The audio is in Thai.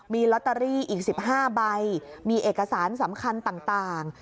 มีลอตเตอรี่อีก๑๕ใบมีเอกสารสำคัญต่าง